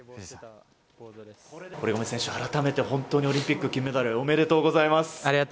堀米選手、改めてオリンピック金メダルありがとうございます。